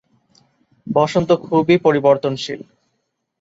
বসন্ত খুবই পরিবর্তনশীল।